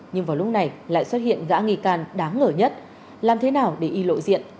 nhưng vào lúc này lại xuất hiện gã nghi can đáng ngờ nhất làm thế nào để y lộ diện